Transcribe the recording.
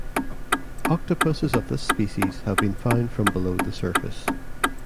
Octopuses of this species have been found from below the surface.